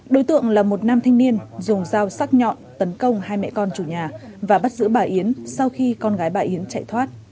đối tượng là một nam thanh niên dùng dao sắc nhọn tấn công hai mẹ con chủ nhà và bắt giữ bà yến sau khi con gái bà hiến chạy thoát